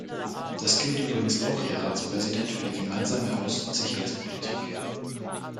Das gilt übrigens auch, Herr Ratspräsident, für die gemeinsame Außen- und Sicherheitspolitik.